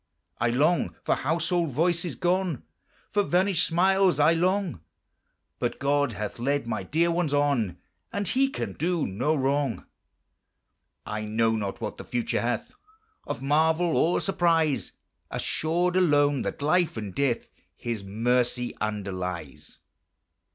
I long for household voices gone, For vanished smiles I long, But God hath led my dear ones on, And He can do no wrong. I know not what the future hath Of marvel or surprise. Assured alone that life and death His mercy underlies.